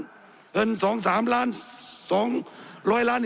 เกินสองสามล้านสองร้อยล้าน